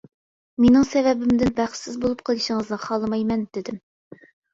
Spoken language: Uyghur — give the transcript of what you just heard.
مېنىڭ سەۋەبىمدىن بەختسىز بولۇپ قېلىشىڭىزنى خالىمايمەن، دېدىم.